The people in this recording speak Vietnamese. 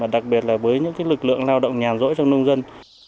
đặc biệt là với những lực lượng lao động nhàn rỗi trong nông dân